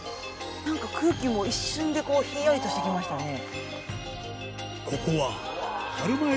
なんか空気も一瞬でひんやりとしてきましたね。